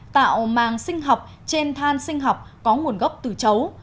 tạo màng sinh học trên than sinh học có nguồn gốc từ chấu